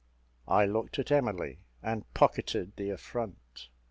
I looked at Emily, and pocketed the affront.